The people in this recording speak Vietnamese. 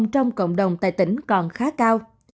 trong cộng đồng tại tỉnh còn khá cao